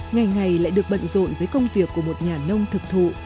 ngày ngày lại được bận rộn với công việc của một nhà nông thực thụ